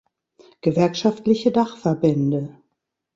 Gewerkschaftliche Dachverbände